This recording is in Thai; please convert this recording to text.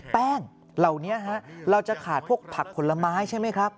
แป้งเหล่านี้เราจะขาดพวกผักผลไม้ใช่ไหมครับ